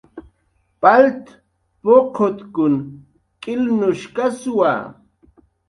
Palt puqutkun k'ilnushkaswa